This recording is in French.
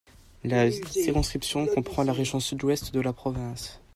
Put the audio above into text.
La circonscription comprend la région sud-ouest de la province.